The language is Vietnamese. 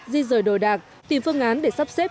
di rời đồ đạc tìm phương án để sắp xếp